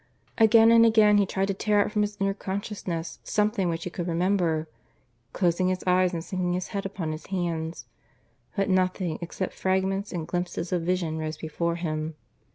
Again and again he tried to tear up from his inner consciousness something which he could remember, closing his eyes and sinking his head upon his hands, but nothing except fragments and glimpses of vision rose before him.